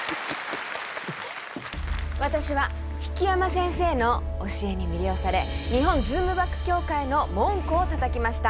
私は引山先生の教えに魅了され日本ズームバック協会の門戸をたたきました。